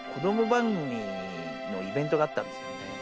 番組のイベントがあったんですよね。